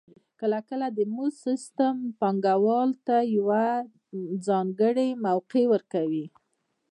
کله کله د مزد سیستم پانګوال ته یوه ځانګړې موقع ورکوي